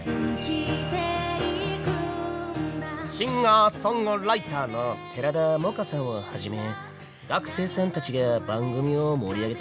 シンガーソングライターの寺田もかさんをはじめ学生さんたちが番組を盛り上げてくれてるもんね。